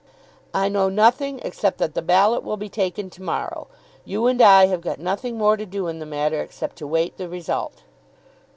"I know nothing except that the ballot will be taken to morrow. You and I have got nothing more to do in the matter except to wait the result."